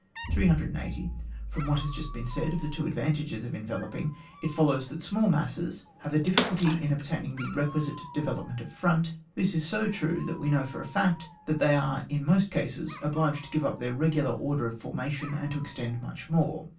380. From what has just been said of the two advantages of enveloping, it follows that small masses have a difficulty in obtaining the requisite development of front ; this is so true that we know for a fact that they are in most cases obliged to give up their regular order of formation, and to extend much more.